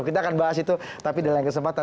kita akan bahas itu tapi dalam kesempatan